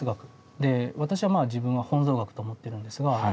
で私はまあ自分は本草学と思ってるんですが。